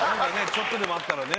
ちょっとでもあったらね